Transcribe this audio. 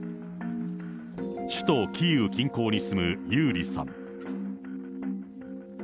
首都キーウ近郊に住むユーリさん。